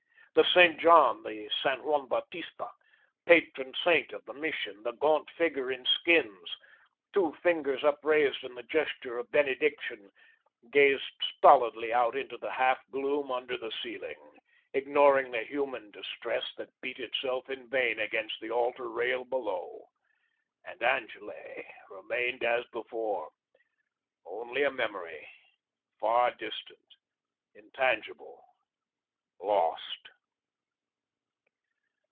The St. John, the San Juan Bautista, patron saint of the Mission, the gaunt figure in skins, two fingers upraised in the gesture of benediction, gazed stolidly out into the half gloom under the ceiling, ignoring the human distress that beat itself in vain against the altar rail below, and Angele remained as before only a memory, far distant, intangible, lost.